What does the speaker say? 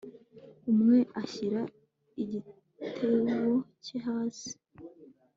Umwe ashyira igitebo cye hasi